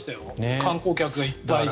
観光客がいっぱいで。